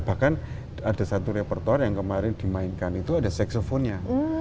bahkan ada satu repertuar yang kemarin dimainkan itu ada seksofonnya